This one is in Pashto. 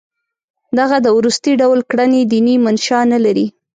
دغه د وروستي ډول کړنې دیني منشأ نه لري.